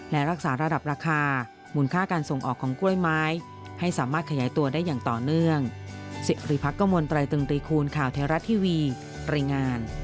และรักษาระดับราคามูลค่าการส่งออกของกล้วยไม้ให้สามารถขยายตัวได้อย่างต่อเนื่อง